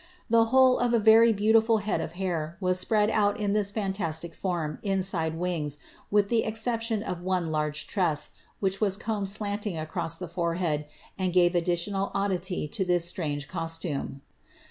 The whole of a very beautiful head of hair was spread out in this fiutastie , form, in side wings, with the exception of one large tress, which vii , combed slanting across the forehead, and gave additional oddity to tkii strange costume.